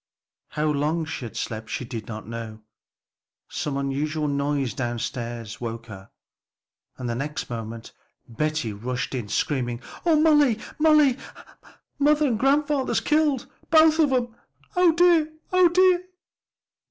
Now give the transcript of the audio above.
How long she had slept she did not know; some unusual noise down stairs woke her, and the next moment Betty rushed in screaming, "Oh, Molly, Molly, mother and grandfather's killed; both of 'em! Oh, dear! oh, dear!"